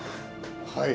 はい。